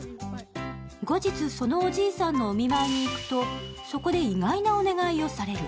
後日、そのおじいさんのお見舞いに行くとそこで意外なお願いをされる。